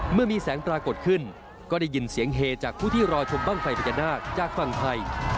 เมื่อมีแสงปรากฏขึ้นก็ได้ยินเสียงเฮจากผู้ที่รอชมบ้างไฟพญานาคจากฝั่งไทย